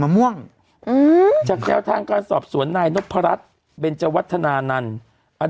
ม่วงอืมจากแนวทางการสอบสวนนายนพรัชเบนเจวัฒนานันต์อัน